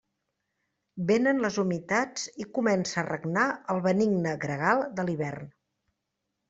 Vénen les humitats i comença a regnar el benigne gregal de l'hivern.